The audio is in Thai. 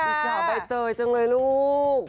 จ่าใบเตยจังเลยลูก